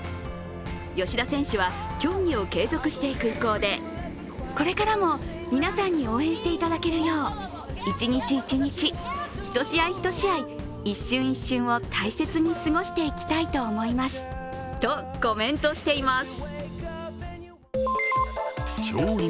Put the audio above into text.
吉田選手は、競技を継続していく意向でこれからも皆さんに応援していただけるよう一日一日、一試合一試合、一瞬一瞬を大切に過ごしていきたいと思いますとコメントしています。